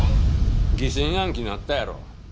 疑心暗鬼なったやろ？